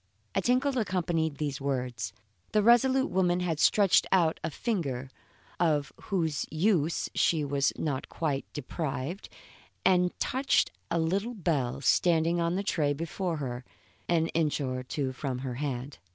A tinkle accompanied these words. The resolute woman had stretched out a finger, of whose use she was not quite deprived, and touched a little bell standing on the tray before her, an inch or two from her hand.